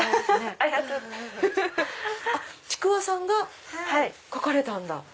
ちくわさんが描かれたんだ。